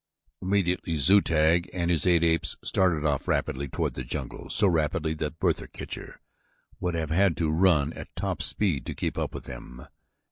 Immediately Zu tag and his eight apes started off rapidly toward the jungle, so rapidly that Bertha Kircher would have had to run at top speed to keep up with them.